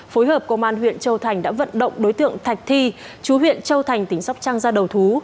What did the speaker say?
phối hợp công an huyện châu thành đã vận động đối tượng thạch thi chú huyện châu thành tỉnh sóc trăng ra đầu thú